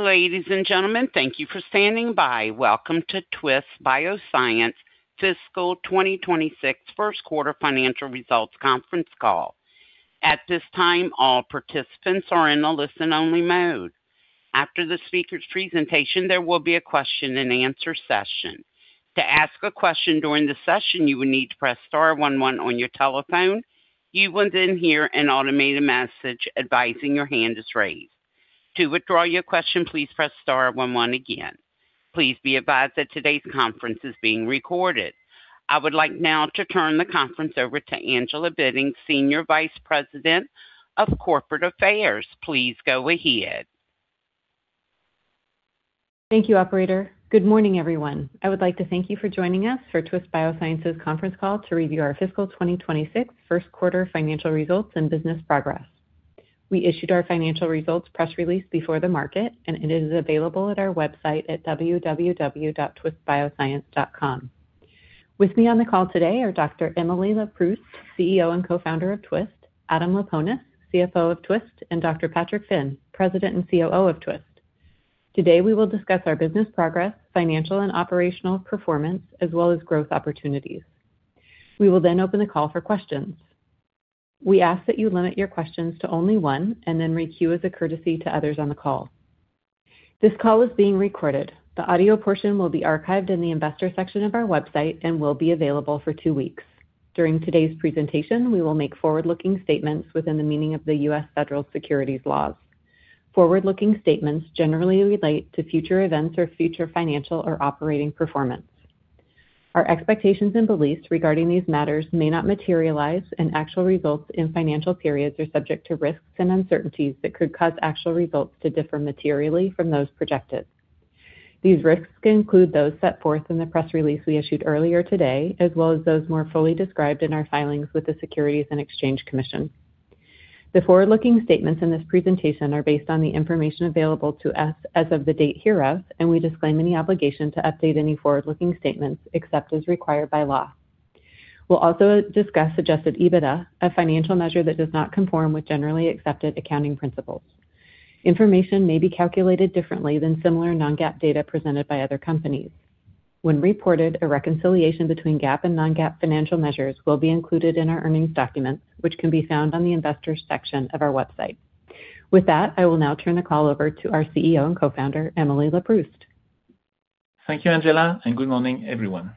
Ladies and gentlemen, thank you for standing by. Welcome to Twist Bioscience fiscal 2026 first quarter financial results conference call. At this time, all participants are in a listen-only mode. After the speaker's presentation, there will be a question-and-answer session. To ask a question during the session, you would need to press star one one on your telephone. You will then hear an automated message advising your hand is raised. To withdraw your question, please press star one one again. Please be advised that today's conference is being recorded. I would like now to turn the conference over to Angela Bitting, Senior Vice President of Corporate Affairs. Please go ahead. Thank you, operator. Good morning, everyone. I would like to thank you for joining us for Twist Bioscience's conference call to review our fiscal 2026 first quarter financial results and business progress. We issued our financial results press release before the market, and it is available at our website at www.twistbioscience.com. With me on the call today are Dr. Emily Leproust, CEO and Co-Founder of Twist; Adam Laponis, CFO of Twist; and Dr. Patrick Finn, President and COO of Twist. Today we will discuss our business progress, financial and operational performance, as well as growth opportunities. We will then open the call for questions. We ask that you limit your questions to only one, and then re-queue as a courtesy to others on the call. This call is being recorded. The audio portion will be archived in the investor section of our website and will be available for two weeks. During today's presentation, we will make forward-looking statements within the meaning of the U.S. Federal Securities Laws. Forward-looking statements generally relate to future events or future financial or operating performance. Our expectations and beliefs regarding these matters may not materialize, and actual results in financial periods are subject to risks and uncertainties that could cause actual results to differ materially from those projected. These risks can include those set forth in the press release we issued earlier today, as well as those more fully described in our filings with the Securities and Exchange Commission. The forward-looking statements in this presentation are based on the information available to us as of the date hereof, and we disclaim any obligation to update any forward-looking statements except as required by law. We'll also discuss adjusted EBITDA, a financial measure that does not conform with generally accepted accounting principles. Information may be calculated differently than similar non-GAAP data presented by other companies. When reported, a reconciliation between GAAP and non-GAAP financial measures will be included in our earnings documents, which can be found on the investors section of our website. With that, I will now turn the call over to our CEO and Co-Founder, Emily Leproust. Thank you, Angela, and good morning, everyone.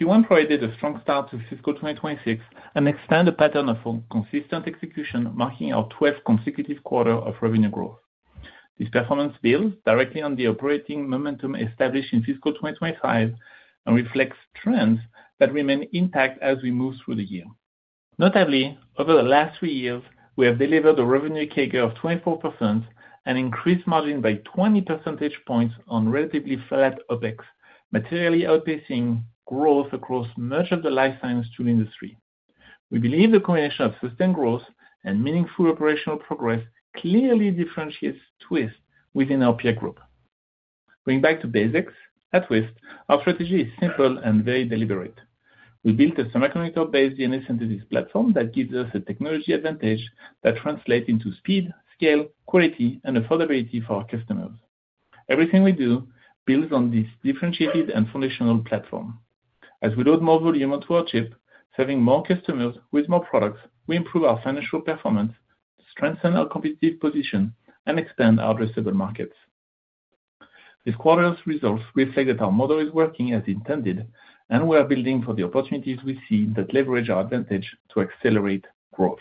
Q1 provided a strong start to fiscal 2026 and extended the pattern of consistent execution, marking our 12th consecutive quarter of revenue growth. This performance builds directly on the operating momentum established in fiscal 2025 and reflects trends that remain intact as we move through the year. Notably, over the last three years, we have delivered a revenue CAGR of 24%, an increased margin by 20 percentage points on relatively flat OpEx, materially outpacing growth across much of the life science tool industry. We believe the combination of sustained growth and meaningful operational progress clearly differentiates Twist within our peer group. Going back to basics, at Twist, our strategy is simple and very deliberate. We built a semiconductor-based DNA synthesis platform that gives us a technology advantage that translates into speed, scale, quality, and affordability for our customers. Everything we do builds on this differentiated and foundational platform. As we load more volume onto our chip, serving more customers with more products, we improve our financial performance, strengthen our competitive position, and expand our addressable markets. This quarter's results reflect that our model is working as intended, and we are building for the opportunities we see that leverage our advantage to accelerate growth.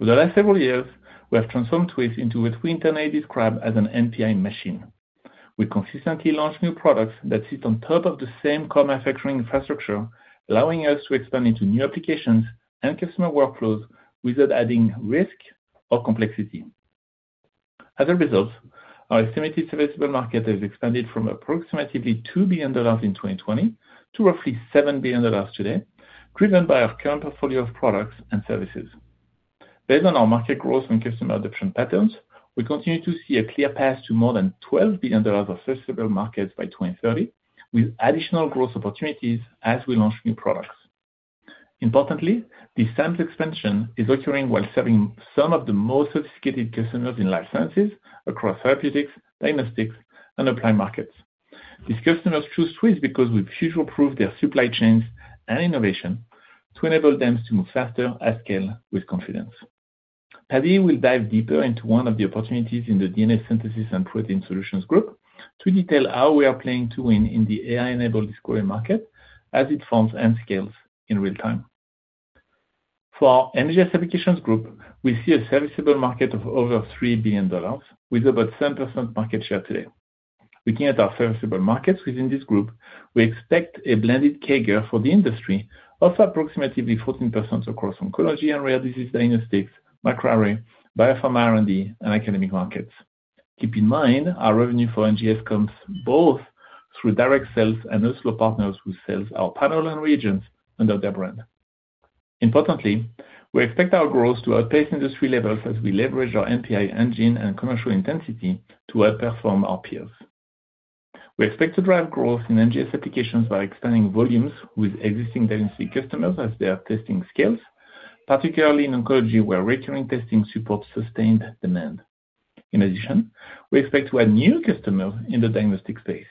Over the last several years, we have transformed Twist into what we internally describe as an NPI machine. We consistently launch new products that sit on top of the same core manufacturing infrastructure, allowing us to expand into new applications and customer workflows without adding risk or complexity. As a result, our estimated serviceable market has expanded from approximately $2 billion in 2020 to roughly $7 billion today, driven by our current portfolio of products and services. Based on our market growth and customer adoption patterns, we continue to see a clear path to more than $12 billion of serviceable markets by 2030, with additional growth opportunities as we launch new products. Importantly, this sample expansion is occurring while serving some of the most sophisticated customers in life sciences, across therapeutics, diagnostics, and applied markets. These customers choose Twist because we've hugely improved their supply chains and innovation to enable them to move faster at scale with confidence. Patty will dive deeper into one of the opportunities in the DNA synthesis and protein solutions group to detail how we are playing to win in the AI-enabled discovery market as it forms and scales in real time. For our NGS applications group, we see a serviceable market of over $3 billion, with about 7% market share today. Looking at our serviceable markets within this group, we expect a blended CAGR for the industry of approximately 14% across oncology and rare disease diagnostics, microarray, biopharma R&D, and academic markets. Keep in mind our revenue for NGS comes both through direct sales and OEM partners who sell our panels and reagents under their brand. Importantly, we expect our growth to outpace industry levels as we leverage our NPI engine and commercial intensity to outperform our peers. We expect to drive growth in NGS applications by expanding volumes with existing diagnostic customers as their testing scales, particularly in oncology where recurring testing supports sustained demand. In addition, we expect to add new customers in the diagnostic space.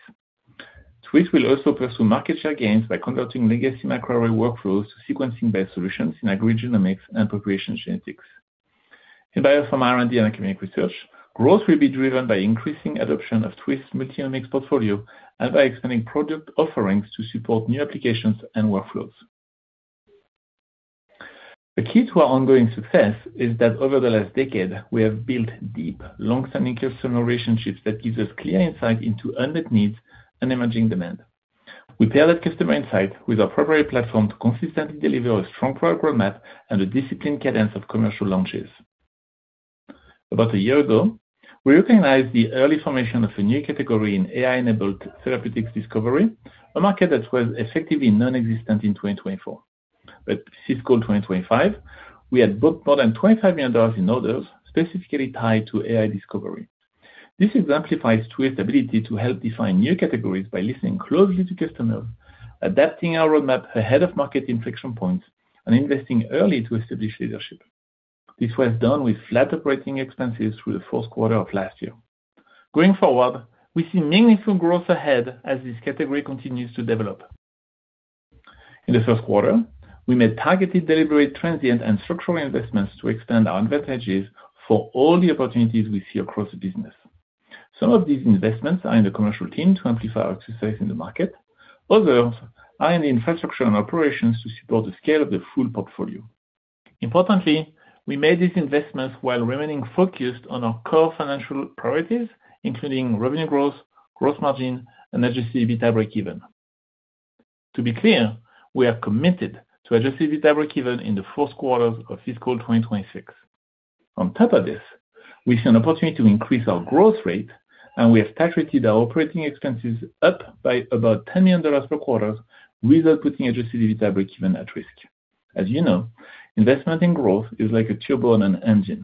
Twist will also pursue market share gains by converting legacy microarray workflows to sequencing-based solutions in agrigenomics and population genetics. In biopharma R&D and academic research, growth will be driven by increasing adoption of Twist's multi-omics portfolio and by expanding product offerings to support new applications and workflows. The key to our ongoing success is that over the last decade, we have built deep, long-standing customer relationships that give us clear insight into unmet needs and emerging demand. We pair that customer insight with our proprietary platform to consistently deliver a strong product roadmap and a disciplined cadence of commercial launches. About a year ago, we recognized the early formation of a new category in AI-enabled therapeutics discovery, a market that was effectively nonexistent in 2024. By fiscal 2025, we had booked more than $25 million in orders specifically tied to AI discovery. This exemplifies Twist's ability to help define new categories by listening closely to customers, adapting our roadmap ahead of market inflection points, and investing early to establish leadership. This was done with flat operating expenses through the fourth quarter of last year. Going forward, we see meaningful growth ahead as this category continues to develop. In the first quarter, we made targeted, deliberate, transient, and structural investments to expand our advantages for all the opportunities we see across the business. Some of these investments are in the commercial team to amplify our success in the market. Others are in the infrastructure and operations to support the scale of the full portfolio. Importantly, we made these investments while remaining focused on our core financial priorities, including revenue growth, gross margin, and adjusted EBITDA break-even. To be clear, we are committed to adjusted EBITDA break-even in the fourth quarters of fiscal 2026. On top of this, we see an opportunity to increase our growth rate, and we have titrated our operating expenses up by about $10 million per quarter, without putting adjusted EBITDA break-even at risk. As you know, investment in growth is like a turbo on an engine.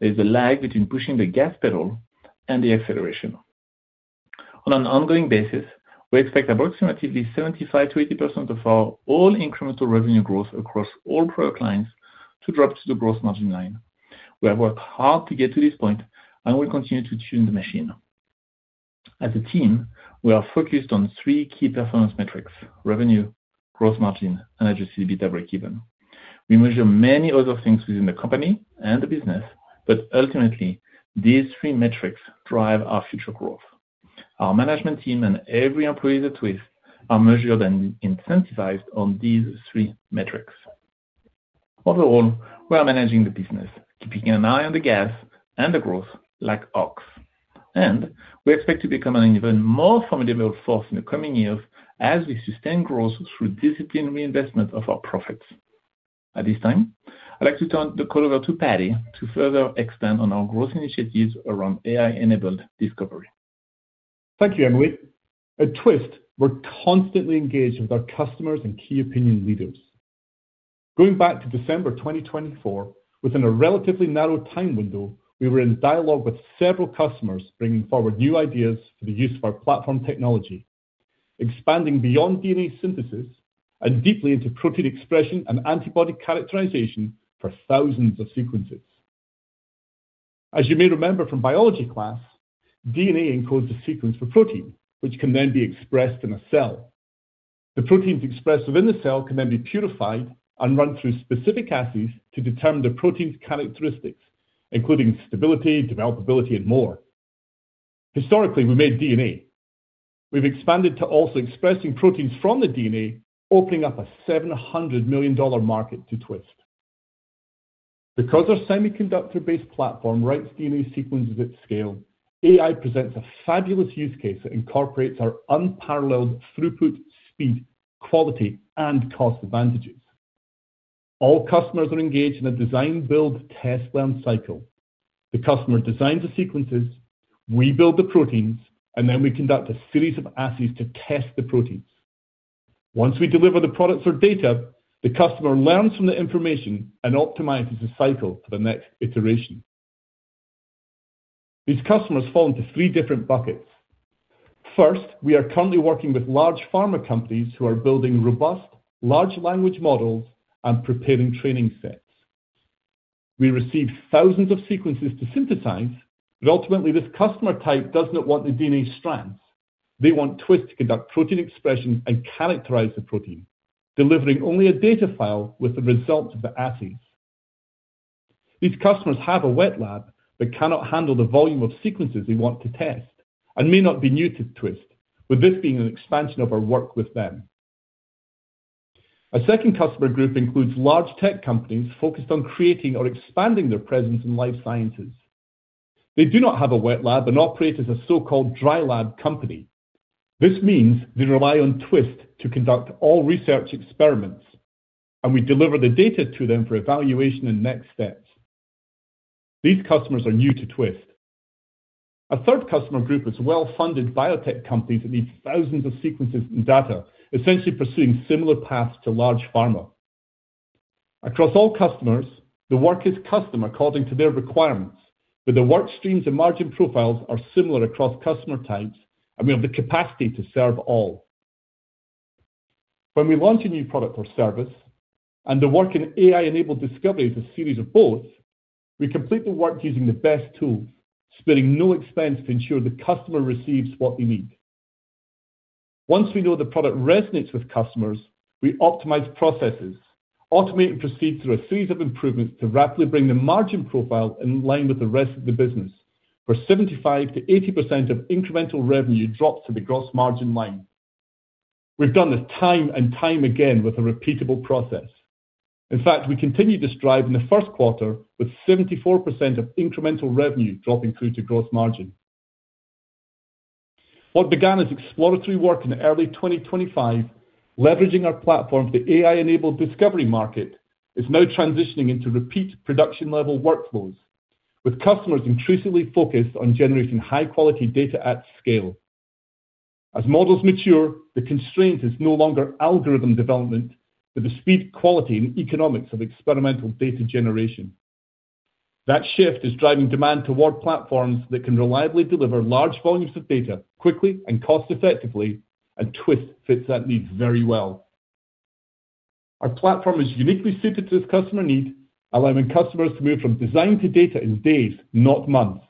There is a lag between pushing the gas pedal and the acceleration. On an ongoing basis, we expect approximately 75%-80% of our all-incremental revenue growth across all products lines to drop to the gross margin line. We have worked hard to get to this point, and we'll continue to tune the machine. As a team, we are focused on three key performance metrics: revenue, gross margin, and adjusted EBITDA break-even. We measure many other things within the company and the business, but ultimately, these three metrics drive our future growth. Our management team and every employee at Twist are measured and incentivized on these three metrics. Overall, we are managing the business, keeping an eye on the cash and the growth like hawks. We expect to become an even more formidable force in the coming years as we sustain growth through disciplined reinvestment of our profits. At this time, I'd like to turn the call over to Patrick to further expand on our growth initiatives around AI-enabled discovery. Thank you, Emily. At Twist, we're constantly engaged with our customers and key opinion leaders. Going back to December 2024, within a relatively narrow time window, we were in dialogue with several customers bringing forward new ideas for the use of our platform technology, expanding beyond DNA synthesis and deeply into protein expression and antibody characterization for thousands of sequences. As you may remember from biology class, DNA encodes a sequence for protein, which can then be expressed in a cell. The proteins expressed within the cell can then be purified and run through specific assays to determine the protein's characteristics, including stability, developability, and more. Historically, we made DNA. We've expanded to also expressing proteins from the DNA, opening up a $700 million market to Twist. Because our semiconductor-based platform writes DNA sequences at scale, AI presents a fabulous use case that incorporates our unparalleled throughput, speed, quality, and cost advantages. All customers are engaged in a design-build-test-learn cycle. The customer designs the sequences, we build the proteins, and then we conduct a series of assays to test the proteins. Once we deliver the products or data, the customer learns from the information and optimizes the cycle for the next iteration. These customers fall into three different buckets. First, we are currently working with large pharma companies who are building robust, large language models and preparing training sets. We receive thousands of sequences to synthesize, but ultimately, this customer type does not want the DNA strands. They want Twist to conduct protein expression and characterize the protein, delivering only a data file with the results of the assays. These customers have a wet lab but cannot handle the volume of sequences they want to test and may not be new to Twist, with this being an expansion of our work with them. A second customer group includes large tech companies focused on creating or expanding their presence in life sciences. They do not have a wet lab and operate as a so-called dry lab company. This means they rely on Twist to conduct all research experiments, and we deliver the data to them for evaluation and next steps. These customers are new to Twist. A third customer group is well-funded biotech companies that need thousands of sequences and data, essentially pursuing similar paths to large pharma. Across all customers, the work is custom according to their requirements, but the work streams and margin profiles are similar across customer types, and we have the capacity to serve all. When we launch a new product or service and the work in AI-enabled discovery is a series of both, we complete the work using the best tools, sparing no expense to ensure the customer receives what they need. Once we know the product resonates with customers, we optimize processes, automate and proceed through a series of improvements to rapidly bring the margin profile in line with the rest of the business, where 75%-80% of incremental revenue drops to the gross margin line. We've done this time and time again with a repeatable process. In fact, we continue to strive in the first quarter with 74% of incremental revenue dropping through to gross margin. What began as exploratory work in early 2025, leveraging our platform for the AI-enabled discovery market, is now transitioning into repeat production-level workflows, with customers intensely focused on generating high-quality data at scale. As models mature, the constraint is no longer algorithm development, but the speed, quality, and economics of experimental data generation. That shift is driving demand toward platforms that can reliably deliver large volumes of data quickly and cost-effectively, and Twist fits that need very well. Our platform is uniquely suited to this customer need, allowing customers to move from design to data in days, not months.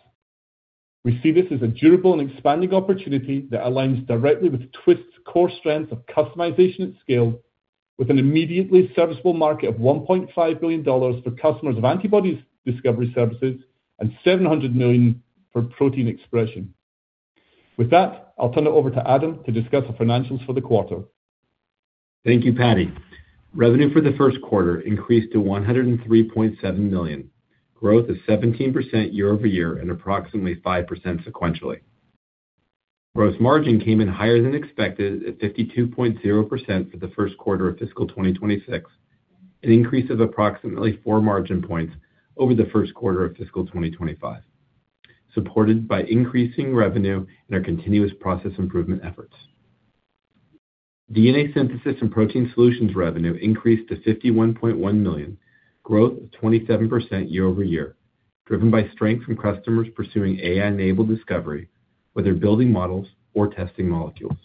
We see this as a durable and expanding opportunity that aligns directly with Twist's core strengths of customization at scale, with an immediately serviceable market of $1.5 billion for customers of antibodies discovery services and $700 million for protein expression. With that, I'll turn it over to Adam to discuss the financials for the quarter. Thank you, Patty. Revenue for the first quarter increased to $103.7 million, growth of 17% year-over-year and approximately 5% sequentially. Gross margin came in higher than expected at 52.0% for the first quarter of fiscal 2026, an increase of approximately four margin points over the first quarter of fiscal 2025, supported by increasing revenue and our continuous process improvement efforts. DNA synthesis and protein solutions revenue increased to $51.1 million, growth of 27% year-over-year, driven by strength from customers pursuing AI-enabled discovery, whether building models or testing molecules.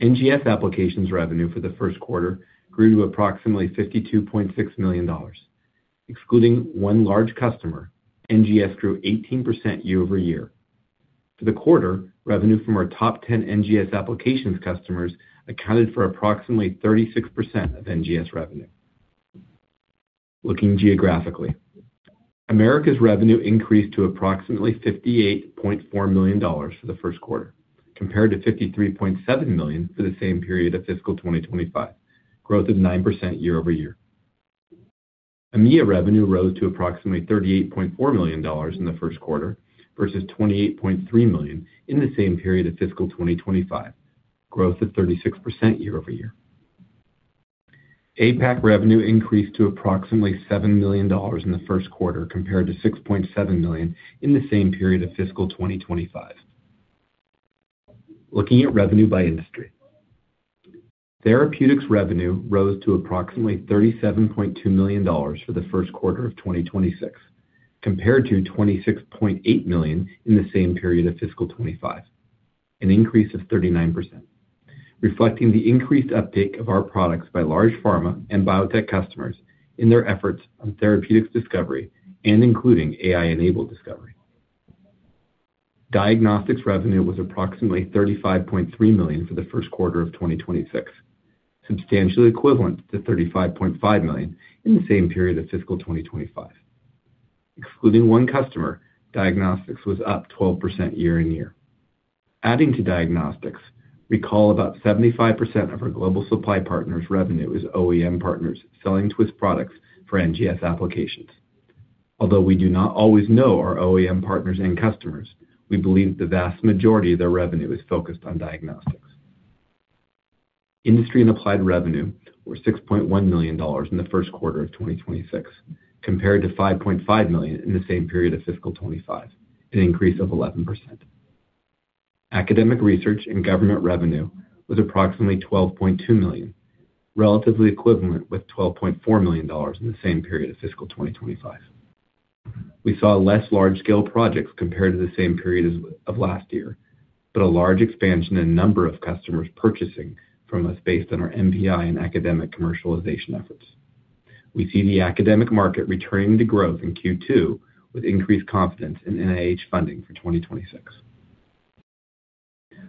NGS applications revenue for the first quarter grew to approximately $52.6 million. Excluding one large customer, NGS grew 18% year-over-year. For the quarter, revenue from our top 10 NGS applications customers accounted for approximately 36% of NGS revenue. Looking geographically, Americas revenue increased to approximately $58.4 million for the first quarter, compared to $53.7 million for the same period of fiscal 2025, growth of 9% year-over-year. EMEA revenue rose to approximately $38.4 million in the first quarter versus $28.3 million in the same period of fiscal 2025, growth of 36% year-over-year. APAC revenue increased to approximately $7 million in the first quarter, compared to $6.7 million in the same period of fiscal 2025. Looking at revenue by industry, therapeutics revenue rose to approximately $37.2 million for the first quarter of 2026, compared to $26.8 million in the same period of fiscal 2025, an increase of 39%, reflecting the increased uptake of our products by large pharma and biotech customers in their efforts on therapeutics discovery and including AI-enabled discovery. Diagnostics revenue was approximately $35.3 million for the first quarter of 2026, substantially equivalent to $35.5 million in the same period of fiscal 2025. Excluding one customer, diagnostics was up 12% year-over-year. Adding to diagnostics, recall about 75% of our global supply partners' revenue is OEM partners selling Twist products for NGS applications. Although we do not always know our OEM partners and customers, we believe the vast majority of their revenue is focused on diagnostics. Industry and applied revenue were $6.1 million in the first quarter of 2026, compared to $5.5 million in the same period of fiscal 2025, an increase of 11%. Academic research and government revenue was approximately $12.2 million, relatively equivalent with $12.4 million in the same period of fiscal 2025. We saw less large-scale projects compared to the same period of last year, but a large expansion in number of customers purchasing from us based on our NPI and academic commercialization efforts. We see the academic market returning to growth in Q2 with increased confidence in NIH funding for 2026.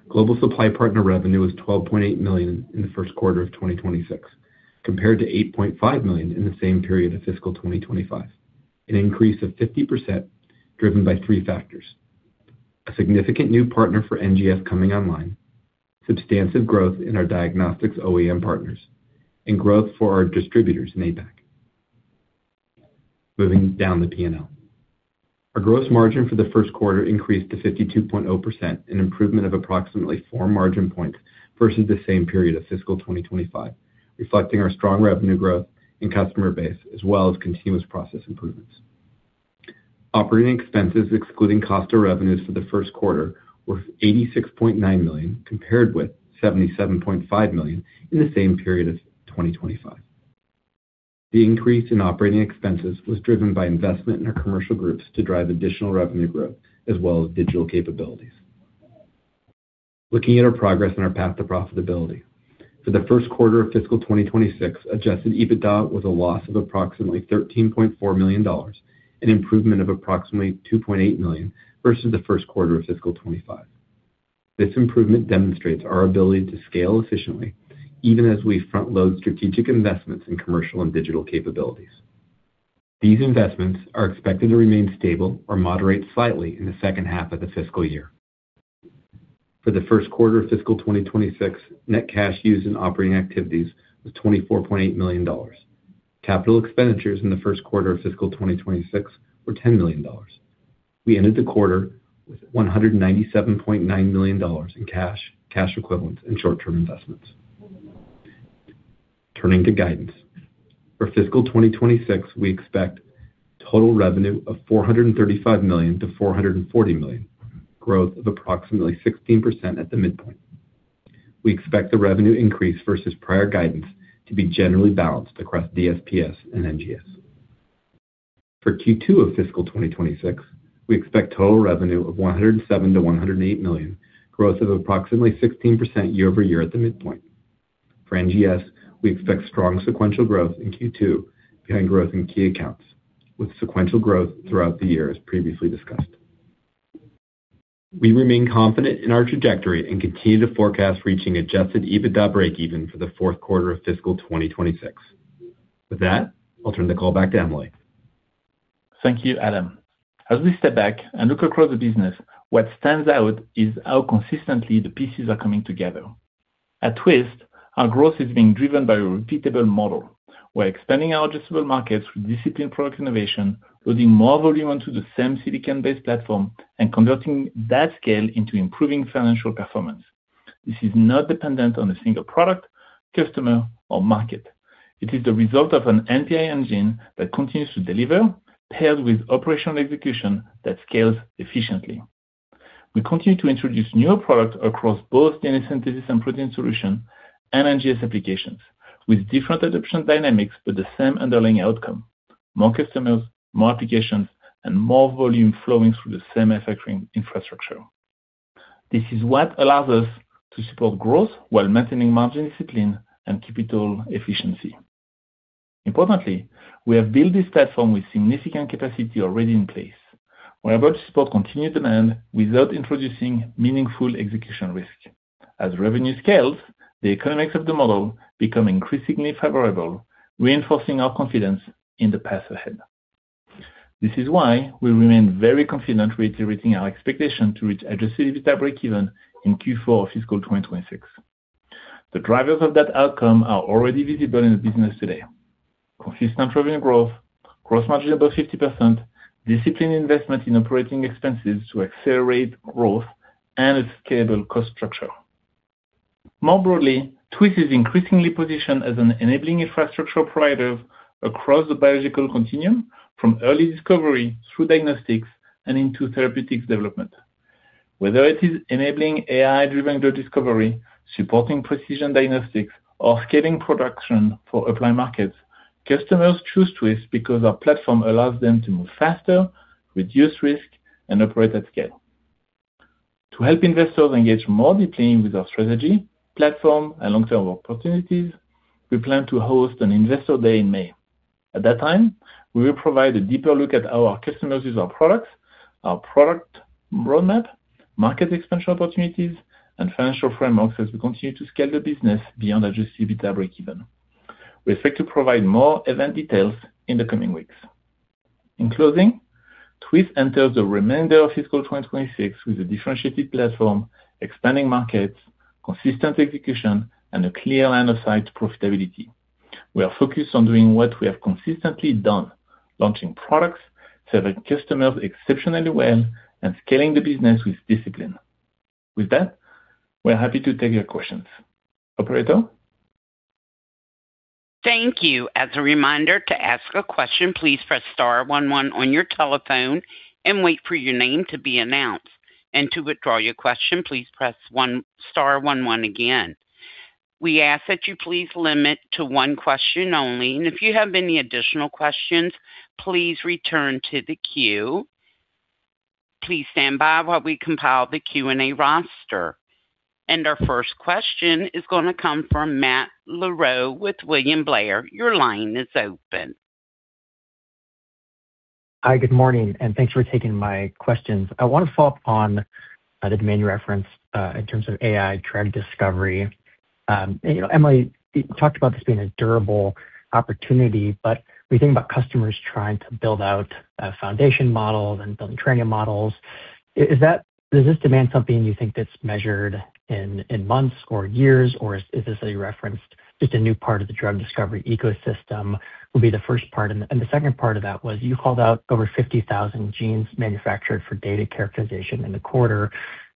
Global supply partner revenue was $12.8 million in the first quarter of 2026, compared to $8.5 million in the same period of fiscal 2025, an increase of 50% driven by three factors: a significant new partner for NGS coming online, substantive growth in our diagnostics OEM partners, and growth for our distributors in APAC. Moving down the P&L, our gross margin for the first quarter increased to 52.0%, an improvement of approximately four margin points versus the same period of fiscal 2025, reflecting our strong revenue growth and customer base, as well as continuous process improvements. Operating expenses, excluding cost of revenues for the first quarter, were $86.9 million, compared with $77.5 million in the same period of 2025. The increase in operating expenses was driven by investment in our commercial groups to drive additional revenue growth, as well as digital capabilities. Looking at our progress and our path to profitability, for the first quarter of fiscal 2026, adjusted EBITDA was a loss of approximately $13.4 million, an improvement of approximately $2.8 million versus the first quarter of fiscal 2025. This improvement demonstrates our ability to scale efficiently, even as we front-load strategic investments in commercial and digital capabilities. These investments are expected to remain stable or moderate slightly in the second half of the fiscal year. For the first quarter of fiscal 2026, net cash used in operating activities was $24.8 million. Capital expenditures in the first quarter of fiscal 2026 were $10 million. We ended the quarter with $197.9 million in cash, cash equivalents, and short-term investments. Turning to guidance, for fiscal 2026, we expect total revenue of $435 million-$440 million, growth of approximately 16% at the midpoint. We expect the revenue increase versus prior guidance to be generally balanced across DSPS and NGS. For Q2 of fiscal 2026, we expect total revenue of $107 million-$108 million, growth of approximately 16% year-over-year at the midpoint. For NGS, we expect strong sequential growth in Q2 behind growth in key accounts, with sequential growth throughout the year, as previously discussed. We remain confident in our trajectory and continue to forecast reaching adjusted EBITDA break-even for the fourth quarter of fiscal 2026. With that, I'll turn the call back to Emily. Thank you, Adam. As we step back and look across the business, what stands out is how consistently the pieces are coming together. At Twist, our growth is being driven by a repeatable model. We're expanding our addressable markets with disciplined product innovation, loading more volume onto the same silicon-based platform, and converting that scale into improving financial performance. This is not dependent on a single product, customer, or market. It is the result of an NPI engine that continues to deliver, paired with operational execution that scales efficiently. We continue to introduce newer products across both DNA synthesis and protein solutions and NGS applications, with different adoption dynamics but the same underlying outcome: more customers, more applications, and more volume flowing through the same efficient infrastructure. This is what allows us to support growth while maintaining margin discipline and capital efficiency. Importantly, we have built this platform with significant capacity already in place. We're about to support continued demand without introducing meaningful execution risk. As revenue scales, the economics of the model become increasingly favorable, reinforcing our confidence in the path ahead. This is why we remain very confident, reiterating our expectation to reach adjusted EBITDA break-even in Q4 of fiscal 2026. The drivers of that outcome are already visible in the business today: consistent revenue growth, gross margin above 50%, disciplined investment in operating expenses to accelerate growth, and a scalable cost structure. More broadly, Twist is increasingly positioned as an enabling infrastructure provider across the biological continuum, from early discovery through diagnostics and into therapeutics development. Whether it is enabling AI-driven drug discovery, supporting precision diagnostics, or scaling production for applied markets, customers choose Twist because our platform allows them to move faster, reduce risk, and operate at scale. To help investors engage more deeply with our strategy, platform, and long-term opportunities, we plan to host an Investor Day in May. At that time, we will provide a deeper look at how our customers use our products, our product roadmap, market expansion opportunities, and financial frameworks as we continue to scale the business beyond adjusted EBITDA break-even. We expect to provide more event details in the coming weeks. In closing, Twist enters the remainder of fiscal 2026 with a differentiated platform, expanding markets, consistent execution, and a clear line of sight to profitability. We are focused on doing what we have consistently done: launching products, serving customers exceptionally well, and scaling the business with discipline. With that, we're happy to take your questions. Operator? Thank you. As a reminder to ask a question, please press star one one on your telephone and wait for your name to be announced. And to withdraw your question, please press star one one again. We ask that you please limit to one question only, and if you have any additional questions, please return to the queue. Please stand by while we compile the Q&A roster. And our first question is going to come from Matt Larew with William Blair. Your line is open. Hi. Good morning, and thanks for taking my questions. I want to follow up on the demand you referenced in terms of AI-driven discovery. Emily, you talked about this being a durable opportunity, but when you think about customers trying to build out foundation models and building training models, does this demand something you think that's measured in months or years, or is this a reference just a new part of the drug discovery ecosystem will be the first part? And the second part of that was you called out over 50,000 genes manufactured for data characterization in the quarter.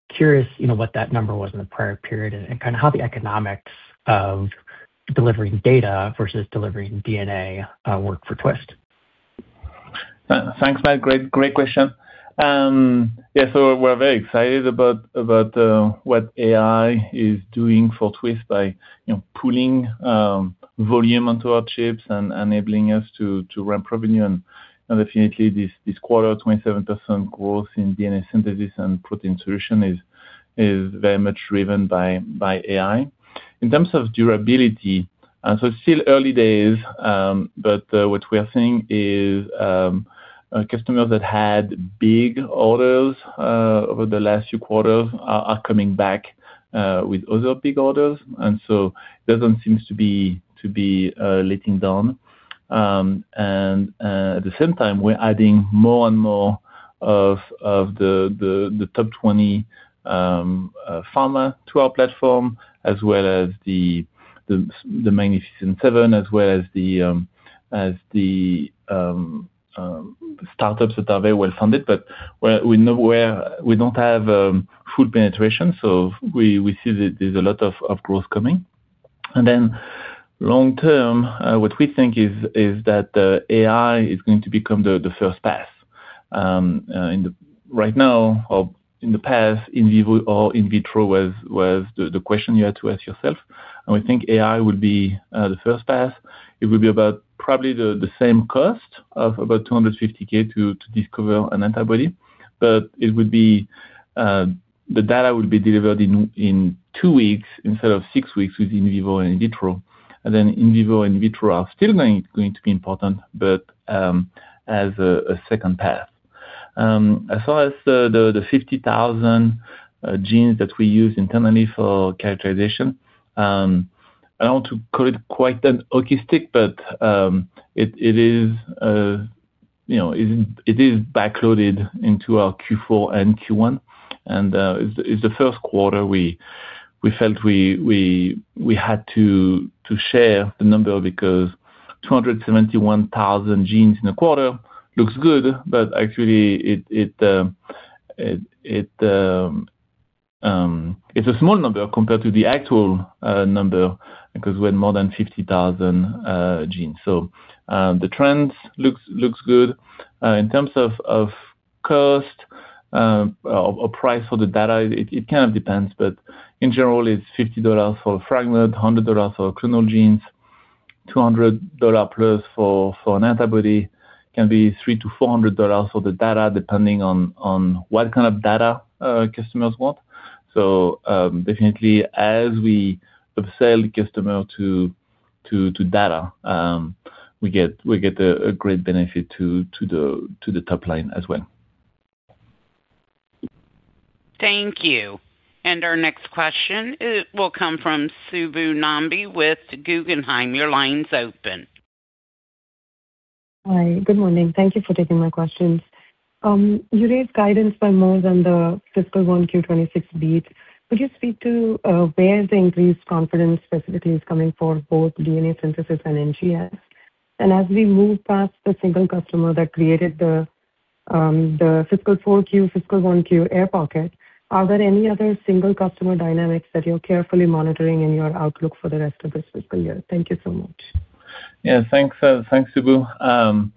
Curious what that number was in the prior period and kind of how the economics of delivering data versus delivering DNA work for Twist. Thanks, Matt. Great question. Yeah, so we're very excited about what AI is doing for Twist by pulling volume onto our chips and enabling us to run higher volume. And definitely, this quarter, 27% growth in DNA synthesis and protein solution is very much driven by AI. In terms of durability, so it's still early days, but what we are seeing is customers that had big orders over the last few quarters are coming back with other big orders. And so it doesn't seem to be letting down. And at the same time, we're adding more and more of the top 20 pharma to our platform, as well as the Magnificent Seven, as well as the startups that are very well-funded. But we don't have full penetration, so we see that there's a lot of growth coming. And then long-term, what we think is that AI is going to become the first pass. Right now, or in the past, in vivo or in vitro was the question you had to ask yourself. And we think AI will be the first pass. It will be about probably the same cost of about $250,000 to discover an antibody, but the data will be delivered in two weeks instead of six weeks with in vivo and in vitro. And then in vivo and in vitro are still going to be important, but as a second path. As far as the 50,000 genes that we use internally for characterization, I don't want to call it quite a hockey stick, but it is backloaded into our Q4 and Q1. It's the first quarter we felt we had to share the number because 271,000 genes in a quarter looks good, but actually, it's a small number compared to the actual number because we had more than 50,000 genes. So the trend looks good. In terms of cost or price for the data, it kind of depends, but in general, it's $50 for a fragment, $100 for clonal genes, $200+ for an antibody, can be $300-$400 for the data, depending on what kind of data customers want. So definitely, as we upsell the customer to data, we get a great benefit to the top line as well. Thank you. Our next question will come from Subbu Nambi with Guggenheim. Your line's open. Hi. Good morning. Thank you for taking my questions. You raised guidance by more than the fiscal 1Q 2026 beat. Could you speak to where the increased confidence specifically is coming for both DNA synthesis and NGS? And as we move past the single customer that created the fiscal 4Q, fiscal 1Q air pocket, are there any other single customer dynamics that you're carefully monitoring in your outlook for the rest of this fiscal year? Thank you so much. Yeah. Thanks, Subbu.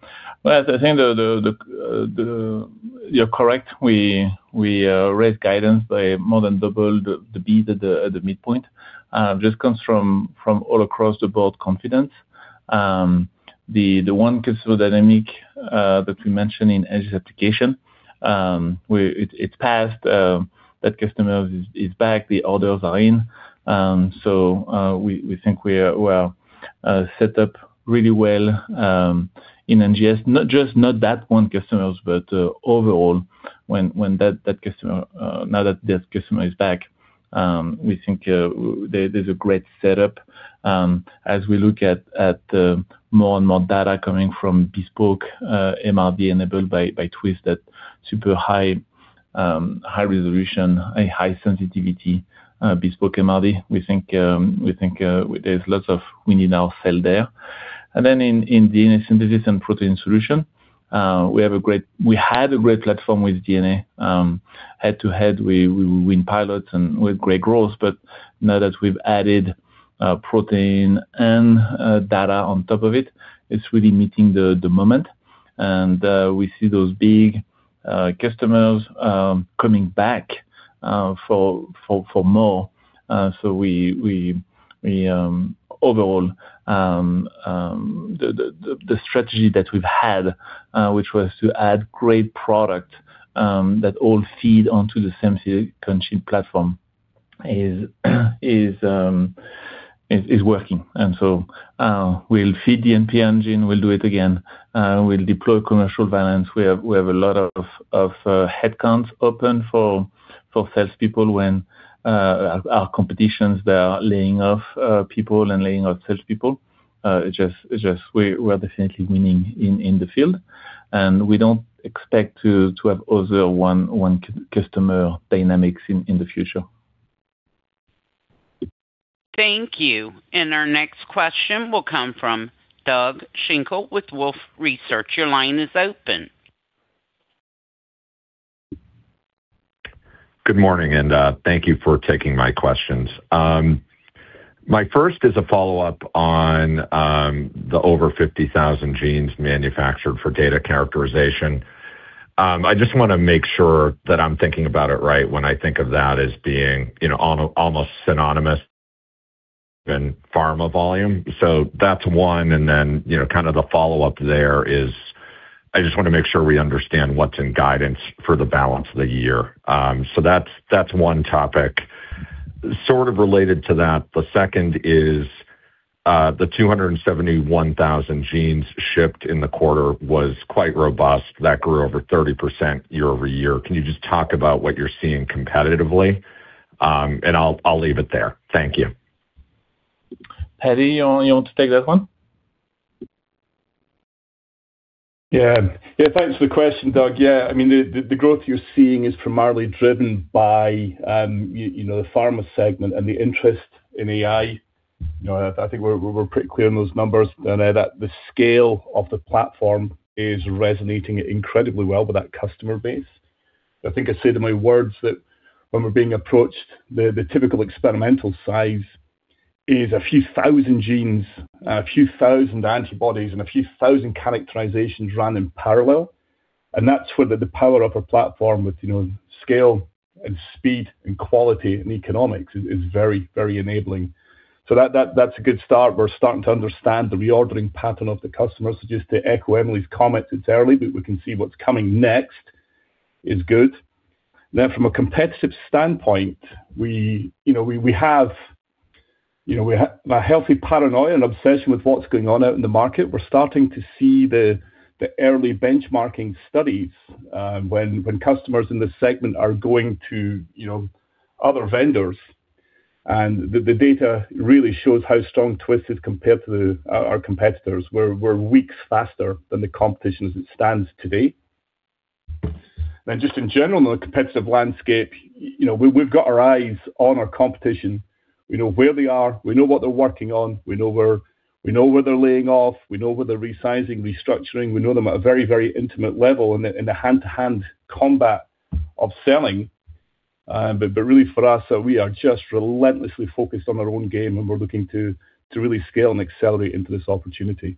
Well, I think you're correct. We raised guidance by more than double the beat at the midpoint. It just comes from all across the board confidence. The one customer dynamic that we mentioned in NGS application, it's passed. That customer is back. The orders are in. So we think we are set up really well in NGS, not just that one customer, but overall. When that customer is back, we think there's a great setup. As we look at more and more data coming from bespoke MRD enabled by Twist, that super high resolution, high sensitivity bespoke MRD, we think there's lots of we need our sell there. And then in DNA synthesis and protein solution, we have a great platform with DNA. Head-to-head, we win pilots and we had great growth. But now that we've added protein and data on top of it, it's really meeting the moment. And we see those big customers coming back for more. So overall, the strategy that we've had, which was to add great product that all feed onto the same silicon chip platform, is working. And so we'll feed the NPI engine. We'll do it again. We'll deploy commercial balance. We have a lot of headcounts open for salespeople when our competitors, they are laying off people and laying off salespeople. We are definitely winning in the field. And we don't expect to have other one customer dynamics in the future. Thank you. Our next question will come from Doug Schenkel with Wolfe Research. Your line is open. Good morning, and thank you for taking my questions. My first is a follow-up on the over 50,000 genes manufactured for data characterization. I just want to make sure that I'm thinking about it right when I think of that as being almost synonymous in pharma volume. So that's one. And then kind of the follow-up there is I just want to make sure we understand what's in guidance for the balance of the year. So that's one topic. Sort of related to that, the second is the 271,000 genes shipped in the quarter was quite robust. That grew over 30% year-over-year. Can you just talk about what you're seeing competitively? And I'll leave it there. Thank you. Patty, you want to take that one? Yeah. Yeah. Thanks for the question, Doug. Yeah. I mean, the growth you're seeing is primarily driven by the pharma segment and the interest in AI. I think we're pretty clear on those numbers. And the scale of the platform is resonating incredibly well with that customer base. I think I said in my words that when we're being approached, the typical experimental size is a few thousand genes, a few thousand antibodies, and a few thousand characterizations run in parallel. And that's where the power of our platform with scale and speed and quality and economics is very, very enabling. So that's a good start. We're starting to understand the reordering pattern of the customers. So just to echo Emily's comment, it's early, but we can see what's coming next is good. Then from a competitive standpoint, we have a healthy paranoia and obsession with what's going on out in the market. We're starting to see the early benchmarking studies when customers in this segment are going to other vendors. And the data really shows how strong Twist is compared to our competitors. We're weeks faster than the competition as it stands today. And then just in general, in the competitive landscape, we've got our eyes on our competition. We know where they are. We know what they're working on. We know where they're laying off. We know where they're resizing, restructuring. We know them at a very, very intimate level in the hand-to-hand combat of selling. But really, for us, we are just relentlessly focused on our own game, and we're looking to really scale and accelerate into this opportunity.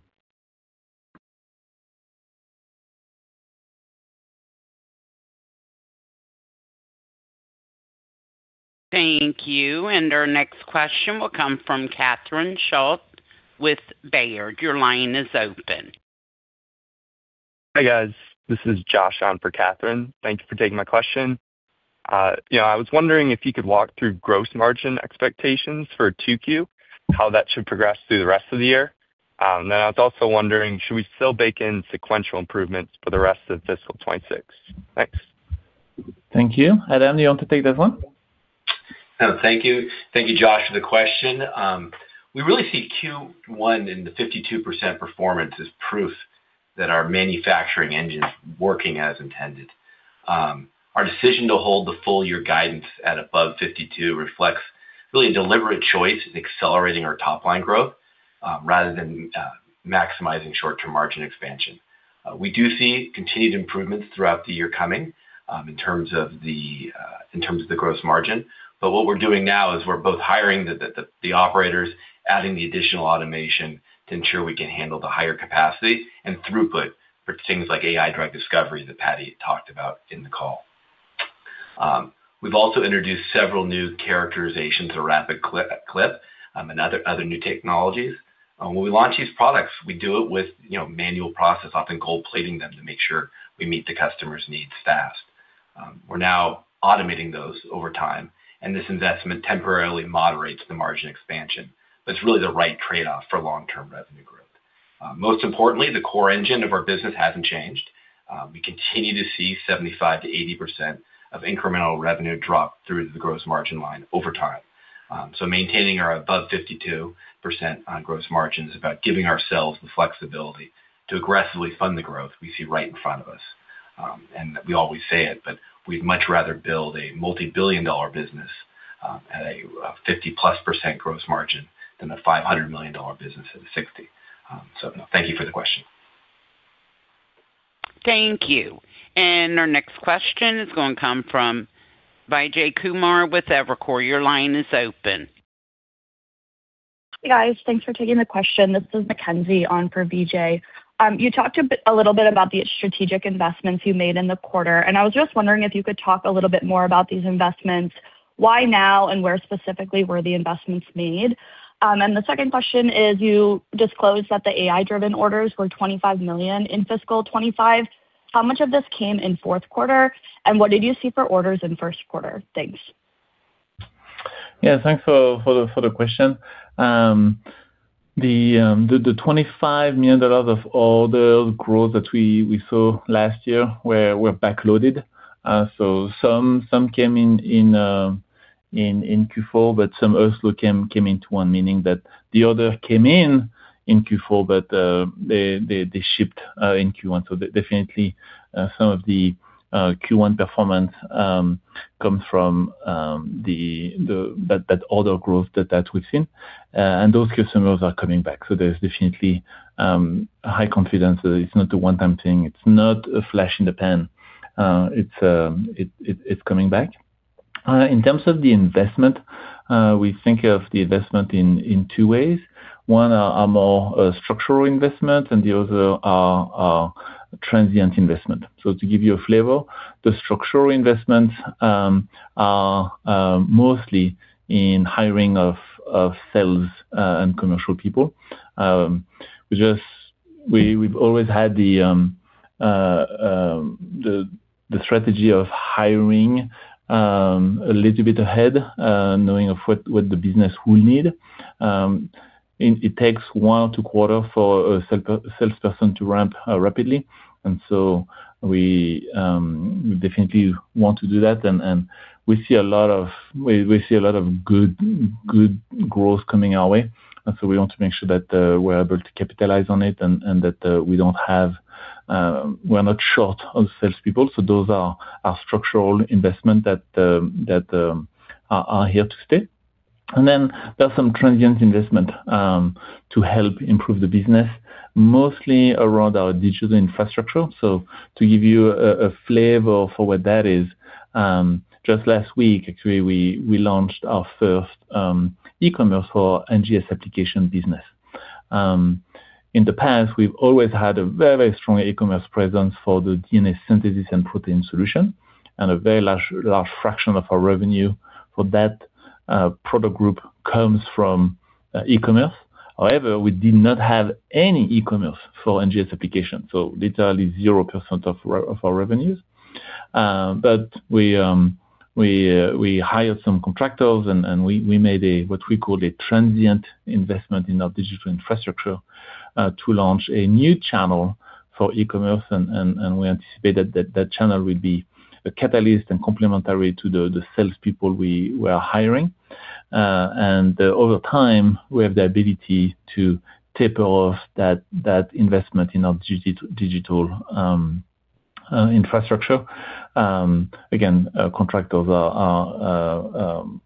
Thank you. And our next question will come from Catherine Schulte with Baird. Your line is open. Hi, guys. This is Josh on for Catherine. Thank you for taking my question. I was wondering if you could walk through gross margin expectations for 2Q, how that should progress through the rest of the year. And then I was also wondering, should we still bake in sequential improvements for the rest of fiscal 2026? Thanks. Thank you. Adam, you want to take that one? No, thank you. Thank you, Josh, for the question. We really see Q1 and the 52% performance as proof that our manufacturing engine is working as intended. Our decision to hold the full-year guidance at above 52% reflects really a deliberate choice in accelerating our top-line growth rather than maximizing short-term margin expansion. We do see continued improvements throughout the year coming in terms of the gross margin. But what we're doing now is we're both hiring the operators, adding the additional automation to ensure we can handle the higher capacity and throughput for things like AI drug discovery that Patty talked about in the call. We've also introduced several new characterizations, a rapid clip, and other new technologies. When we launch these products, we do it with manual process, often gold plating them to make sure we meet the customer's needs fast. We're now automating those over time. This investment temporarily moderates the margin expansion. It's really the right trade-off for long-term revenue growth. Most importantly, the core engine of our business hasn't changed. We continue to see 75%-80% of incremental revenue drop through the gross margin line over time. Maintaining our above 52% gross margin is about giving ourselves the flexibility to aggressively fund the growth we see right in front of us. We always say it, but we'd much rather build a multi-billion-dollar business at a 50+% gross margin than a $500 million business at a 60%. Thank you for the question. Thank you. Our next question is going to come from Vijay Kumar with Evercore. Your line is open. Hey, guys. Thanks for taking the question. This is Mackenzie on for Vijay. You talked a little bit about the strategic investments you made in the quarter. I was just wondering if you could talk a little bit more about these investments, why now, and where specifically were the investments made? The second question is you disclosed that the AI-driven orders were $25 million in fiscal 2025. How much of this came in fourth quarter? What did you see for orders in first quarter? Thanks. Yeah. Thanks for the question. The $25 million of order growth that we saw last year were backloaded. So some came in Q4, but some also came into one, meaning that the order came in Q4, but they shipped in Q1. So definitely, some of the Q1 performance comes from that order growth that we've seen. And those customers are coming back. So there's definitely high confidence that it's not a one-time thing. It's not a flash in the pan. It's coming back. In terms of the investment, we think of the investment in two ways. One are more structural investments, and the other are transient investments. So to give you a flavor, the structural investments are mostly in hiring of sales and commercial people. We've always had the strategy of hiring a little bit ahead, knowing what the business will need. It takes one or two quarters for a salesperson to ramp rapidly. And so we definitely want to do that. And we see a lot of good growth coming our way. And so we want to make sure that we're able to capitalize on it and that we're not short of salespeople. So those are structural investments that are here to stay. And then there are some transient investments to help improve the business, mostly around our digital infrastructure. So to give you a flavor for what that is, just last week, actually, we launched our first e-commerce for NGS application business. In the past, we've always had a very, very strong e-commerce presence for the DNA synthesis and protein solution. And a very large fraction of our revenue for that product group comes from e-commerce. However, we did not have any e-commerce for NGS applications, so literally 0% of our revenues. But we hired some contractors, and we made what we call a transient investment in our digital infrastructure to launch a new channel for e-commerce. And we anticipated that that channel would be a catalyst and complementary to the salespeople we are hiring. And over time, we have the ability to taper off that investment in our digital infrastructure. Again, contractors,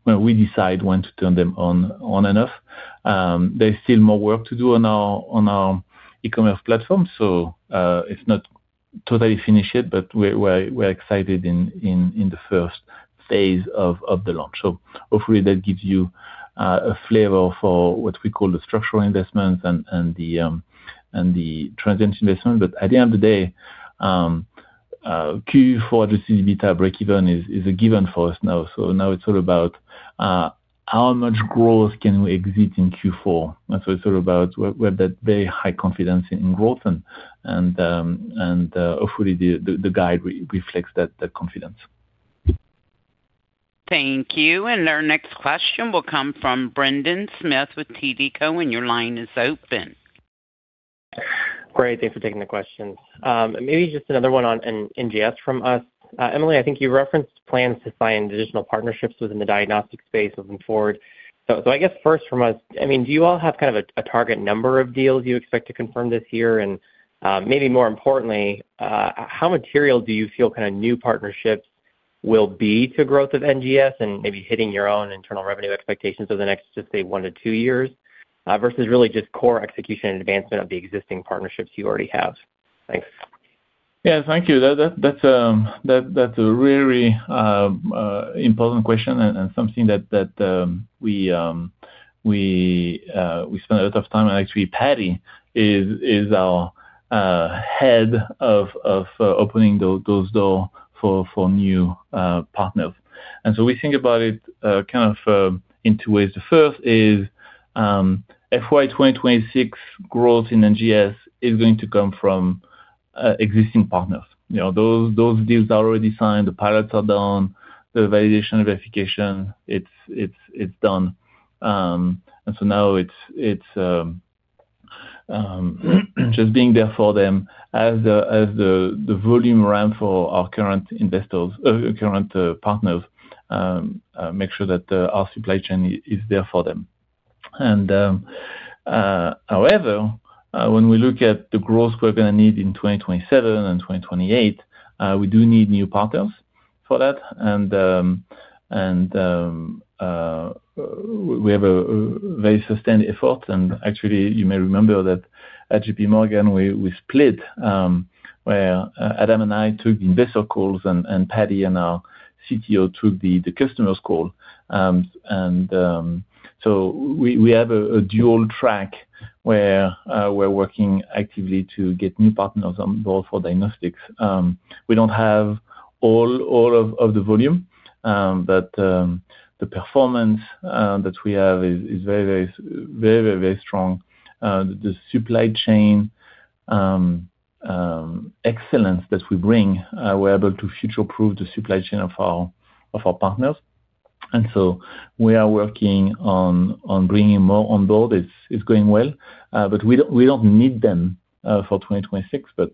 as we decide, when to turn them on and off. There's still more work to do on our e-commerce platform. So it's not totally finished yet, but we're excited in the first phase of the launch. So hopefully, that gives you a flavor for what we call the structural investments and the transient investment. But at the end of the day, Q4 adjusted EBITDA breakeven is a given for us now. So now it's all about how much growth can we expect in Q4. And so it's all about we have that very high confidence in growth. And hopefully, the guide reflects that confidence. Thank you. Our next question will come from Brendan Smith with TD Cowen, and your line is open. Great. Thanks for taking the questions. Maybe just another one on NGS from us. Emily, I think you referenced plans to sign additional partnerships within the diagnostic space moving forward. So I guess first from us, I mean, do you all have kind of a target number of deals you expect to confirm this year? And maybe more importantly, how material do you feel kind of new partnerships will be to growth of NGS and maybe hitting your own internal revenue expectations over the next, just say, one to two years versus really just core execution and advancement of the existing partnerships you already have? Thanks. Yeah. Thank you. That's a really important question and something that we spend a lot of time. Actually, Patty is our head of opening those doors for new partners. So we think about it kind of in two ways. The first is FY 2026 growth in NGS is going to come from existing partners. Those deals are already signed. The pilots are done. The validation and verification, it's done. So now it's just being there for them as the volume ramps for our current partners, make sure that our supply chain is there for them. However, when we look at the growth we're going to need in 2027 and 2028, we do need new partners for that. We have a very sustained effort. Actually, you may remember that at JPMorgan, we split where Adam and I took the investor calls and Patty and our CTO took the customers' call. So we have a dual track where we're working actively to get new partners on board for diagnostics. We don't have all of the volume, but the performance that we have is very, very, very, very, very strong. The supply chain excellence that we bring, we're able to future-proof the supply chain of our partners. So we are working on bringing more on board. It's going well. We don't need them for 2026, but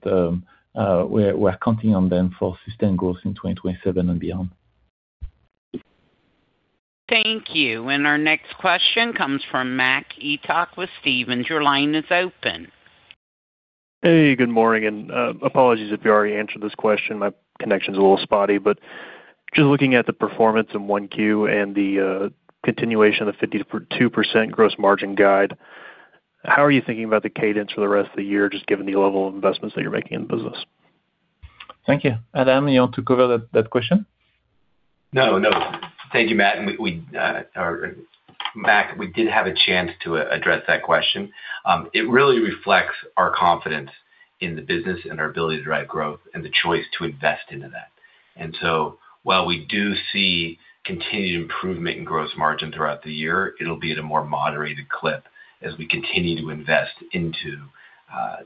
we're counting on them for sustained growth in 2027 and beyond. Thank you. Our next question comes from Mac Etoch with Stephens. Your line is open. Hey. Good morning. Apologies if you already answered this question. My connection's a little spotty. But just looking at the performance in 1Q and the continuation of the 52% gross margin guide, how are you thinking about the cadence for the rest of the year, just given the level of investments that you're making in the business? Thank you. Adam, you want to cover that question? No, no. Thank you, Matt. And Mac, we did have a chance to address that question. It really reflects our confidence in the business and our ability to drive growth and the choice to invest into that. And so while we do see continued improvement in gross margin throughout the year, it'll be at a more moderated clip as we continue to invest into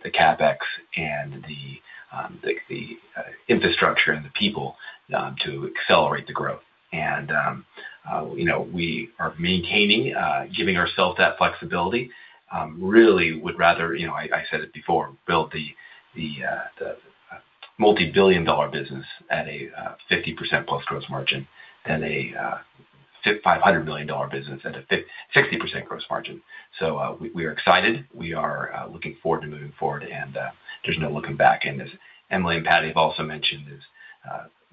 the CapEx and the infrastructure and the people to accelerate the growth. And we are maintaining, giving ourselves that flexibility. Really, would rather - I said it before - build the multi-billion-dollar business at a 50%+ gross margin than a $500 million business at a 60% gross margin. So we are excited. We are looking forward to moving forward. And there's no looking back. As Emily and Patty have also mentioned,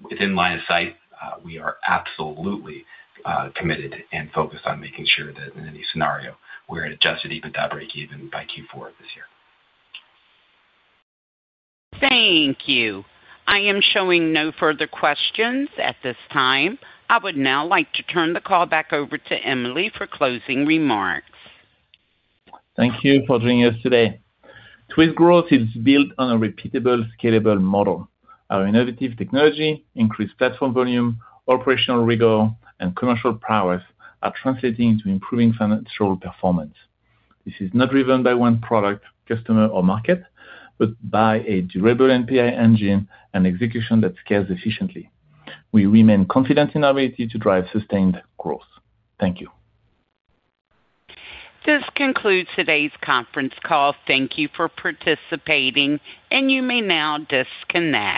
within line of sight, we are absolutely committed and focused on making sure that in any scenario, we're at a just to keep it at that breakeven by Q4 of this year. Thank you. I am showing no further questions at this time. I would now like to turn the call back over to Emily for closing remarks. Thank you for joining us today. Twist growth is built on a repeatable, scalable model. Our innovative technology, increased platform volume, operational rigor, and commercial prowess are translating into improving financial performance. This is not driven by one product, customer, or market, but by a durable NPI engine and execution that scales efficiently. We remain confident in our ability to drive sustained growth. Thank you. This concludes today's conference call. Thank you for participating. You may now disconnect.